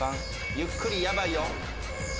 ・ゆっくりやばいよ